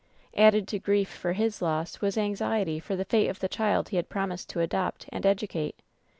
Added to grief for his loss was anxiety for the fate of the child he had promised to adopt and edu cate.